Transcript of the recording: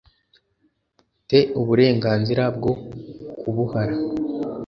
te uburenganzira bwo kubuhara